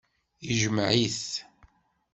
Ijmeɛ-it.